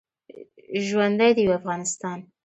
ژوندی دې وي افغانستان.